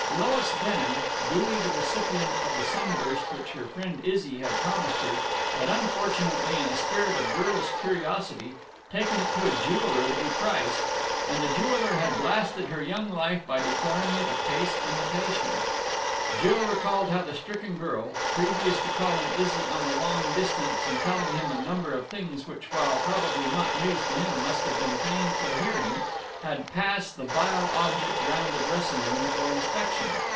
Lois Denham, duly the recipient of the sunburst which her friend Izzy had promised her, had unfortunately, in a spirit of girlish curiosity, taken it to a jeweller to be priced, and the jeweller had blasted her young life by declaring it a paste imitation. Jill recalled how the stricken girl previous to calling Izzy on the long distance and telling him a number of things which, while probably not news to him, must have been painful hearing had passed the vile object round the dressing room for inspection.